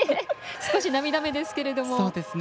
少し涙目ですけれども。